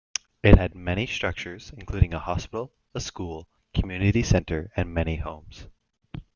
It had many structures, including a hospital, a school, community center, and many homes.